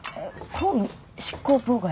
公務執行妨害？